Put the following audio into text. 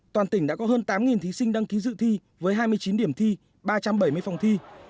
toàn tỉnh đã có hơn tám thí sinh đăng ký dự thi với hai mươi chín điểm thi ba trăm bảy mươi phòng thi